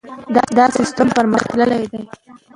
دا سیستم پرمختللی دی.